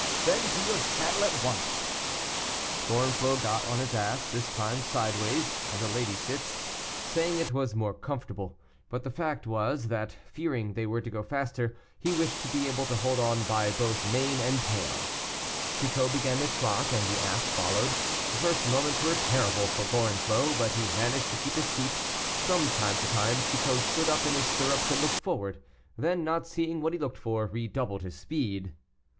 "Then to your saddle at once." Gorenflot got on his ass this time sideways, as a lady sits, saying it was more comfortable; but the fact was that, fearing they were to go faster, he wished to be able to hold on both by mane and tail. Chicot began to trot, and the ass followed. The first moments were terrible for Gorenflot, but he managed to keep his seat. From time to time Chicot stood up in his stirrups and looked forward, then, not seeing what he looked for, redoubled his speed.